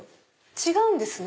違うんですね。